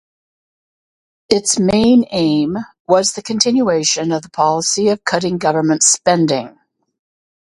Its main aim was the continuation of the policy of cutting government spending.